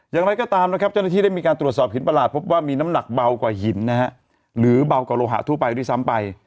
อย่างไรก็ตามนะครับเจ้าหน้าที่ได้มีการตรวจสอบหินประหลาดพบว่ามีน้ำหนักเบากว่าหินนะฮะหรือเบากว่าโลหะทั่วไปด้วยซ้ำไป